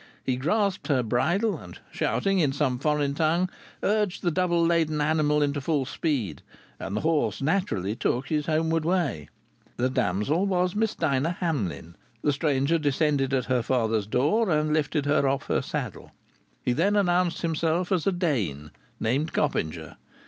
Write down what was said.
He grasped her bridle, and shouting in some foreign tongue, urged the double laden animal into full speed, and the horse naturally took his homeward way. The damsel was Miss Dinah Hamlyn. The stranger descended at her father's door, and lifted her off her saddle. He then announced himself as a Dane, named Coppinger.